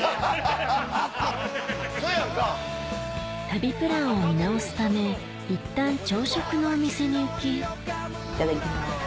旅プランを見直すためいったん朝食のお店に行きいただきます。